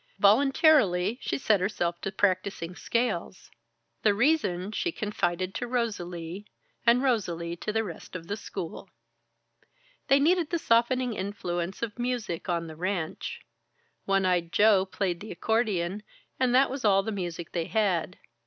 Voluntarily, she set herself to practising scales. The reason she confided to Rosalie, and Rosalie to the rest of the school. They needed the softening influence of music on the ranch. One eyed Joe played the accordion, and that was all the music they had.